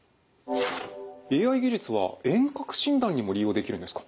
ＡＩ技術は遠隔診断にも利用できるんですか？